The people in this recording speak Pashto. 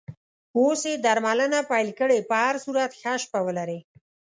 اوس یې درملنه پیل کړې، په هر صورت ښه شپه ولرې.